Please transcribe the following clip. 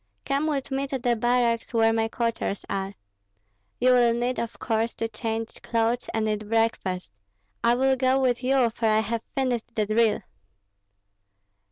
Come with me to the barracks, where my quarters are. You will need, of course, to change clothes and eat breakfast. I will go with you, for I have finished the drill."